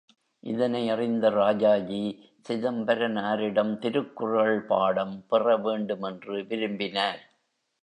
இதனை அறிந்த ராஜாஜி, சிதம்பரனாரிடம் திருக்குறள் பாடம் பெற வேண்டும் என்று விரும்பினார்.